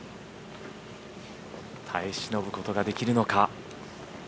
耐え忍ぶことができるのか。